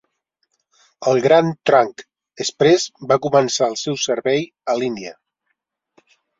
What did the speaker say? El Grand Trunk Express va començar el seu servei a l'Índia.